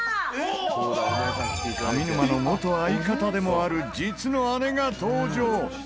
上沼の元相方でもある実の姉が登場！